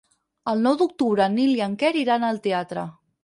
El nou d'octubre en Nil i en Quer iran al teatre.